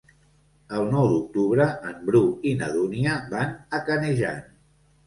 El nou d'octubre en Bru i na Dúnia van a Canejan.